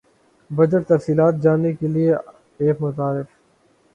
budget تفصیلات جاننے کیلئے ایپ متعارف